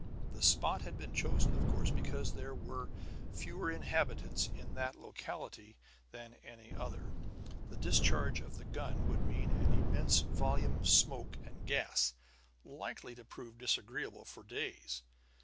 The spot had been chosen, of course, because there were fewer inhabitants in that locality than any other; the discharge of the gun would mean an immense volume of smoke and gas, likely to prove disagreeable for days.